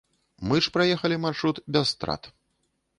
Мы ж праехалі маршрут без страт.